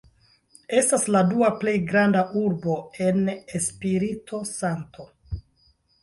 Estas la dua plej granda urbo en Espirito-Santo.